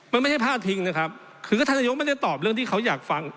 มันไม่ใช่พาดพิงนะครับคือก็ท่านนายกไม่ได้ตอบเรื่องที่เขาอยากฟัง